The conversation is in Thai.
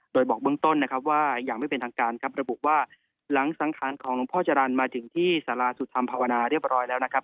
โดยบอกเบื้องต้นนะครับว่ายังไม่เป็นทางการครับระบุว่าหลังสังขารของหลวงพ่อจรรย์มาถึงที่สาราสุธรรมภาวนาเรียบร้อยแล้วนะครับ